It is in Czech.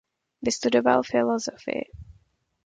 Vystudoval filozofii.